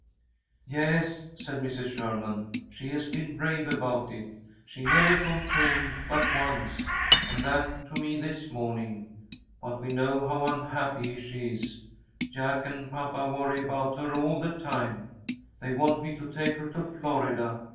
"Yes," said Mrs. Sherman, "she has been brave about it. She never complained but once, and that to me this morning. But we know how unhappy she is. Jack and papa worry about her all the time. They want me to take her to Florida.